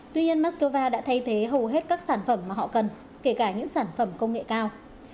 tuy nhiên moscow đã thay thế hầu hết các sản phẩm mà họ cần kể cả những sản phẩm công nghệ cao